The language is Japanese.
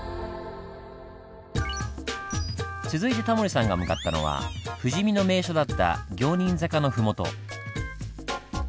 続いてタモリさんが向かったのは富士見の名所だった行人坂の麓。